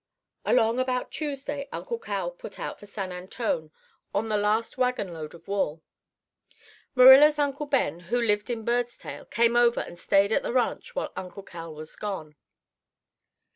"Along about Tuesday Uncle Cal put out for San Antone on the last wagonload of wool. Marilla's uncle Ben, who lived in Birdstail, come over and stayed at the ranch while Uncle Cal was gone.